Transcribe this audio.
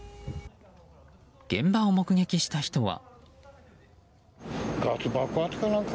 現場を目撃した人は。